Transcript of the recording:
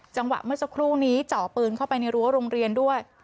เมื่อสักครู่นี้เจาะปืนเข้าไปในรั้วโรงเรียนด้วย